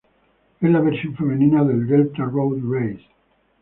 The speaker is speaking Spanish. Es la versión femenina del Delta Road Race.